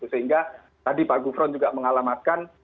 sehingga tadi pak gufron juga mengalamatkan